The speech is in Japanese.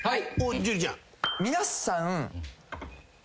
樹ちゃん。